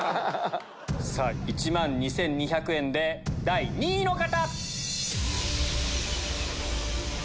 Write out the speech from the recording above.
１万２２００円で第２位の方！